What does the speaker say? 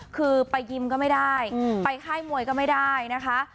คือไปยิมก็ไม่ได้ไปค่ายมวยก็ไม่ได้นะคะ